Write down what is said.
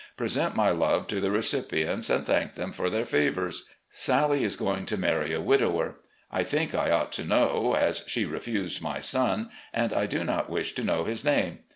Present my love to the recipients and thank them for their favours. Sally is going to marry a widower. I think I ought to know, as she refused my son, and I do not wish to know his name.